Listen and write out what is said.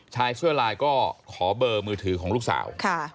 ชายเสื้อลายก็ขอเบอร์มือถือของลูกสาว